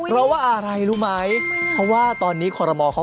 เราว่าอะไรรู้ไหม